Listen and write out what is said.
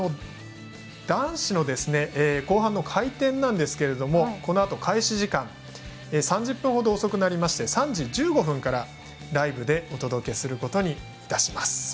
男子の後半の回転なんですけどもこのあと開始時間３０分ほど遅くなりまして３時１５分からライブでお届けすることにいたします。